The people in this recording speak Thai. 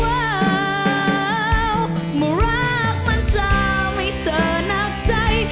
เมื่อรักมันจะทำให้เธอหนักใจ